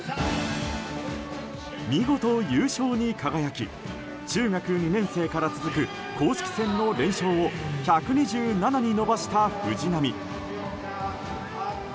見事、優勝に輝き中学２年生から続く公式戦の連勝を１２７に伸ばした藤波。